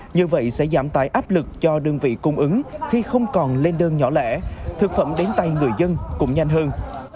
như vậy sẽ giảm tải áp lực cho đơn vị cung ứng khi không còn lên đơn nhỏ lẻ thực phẩm đến tay người dân cũng nhanh hơn